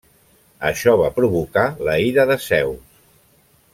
Això va provocar la ira de Zeus.